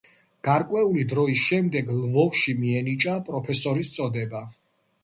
გარკვეული დროის შემდეგ ლვოვში მიენიჭა პროფესორის წოდება.